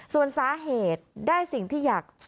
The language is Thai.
ส่วนสาเหตุได้สิ่งที่อยาก